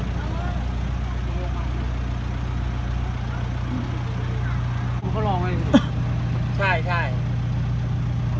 สารว่าไม่รอังงวดก็มีไหว